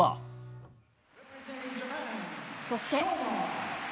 そして。